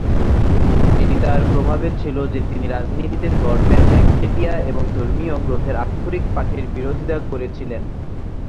এটি তার প্রভাবে ছিল যে তিনি রাজনীতিতে ধর্মের একচেটিয়া এবং ধর্মীয় গ্রন্থের আক্ষরিক পাঠের বিরোধিতা করেছিলেন।